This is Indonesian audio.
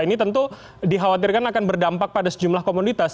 ini tentu dikhawatirkan akan berdampak pada sejumlah komoditas